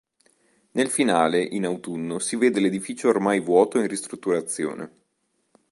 Nel finale, in autunno, si vede l'edificio ormai vuoto e in ristrutturazione.